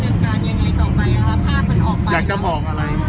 แต่อยู่ผมถ่ายคลิปเอาไปลงหาเราล่ะ